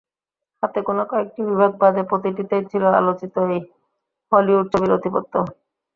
হাতে গোনা কয়েকটি বিভাগ বাদে প্রতিটিতেই ছিল আলোচিত এই হলিউড ছবির আধিপত্য।